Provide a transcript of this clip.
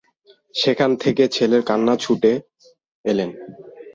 সেইখান থেকে ছেলের কান্না শুনে ছুটে এলেন।